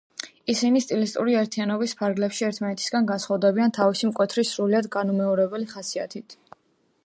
ისინი სტილისტური ერთიანობის ფარგლებში ერთმანეთისაგან განსხვავდებიან თავისი მკვეთრი, სრულიად განუმეორებელი ხასიათით.